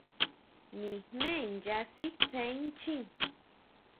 Nijmé nya sitsé inchjín.